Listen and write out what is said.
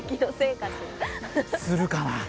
するかな？